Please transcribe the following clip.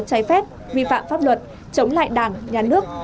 trái phép vi phạm pháp luật chống lại đảng nhà nước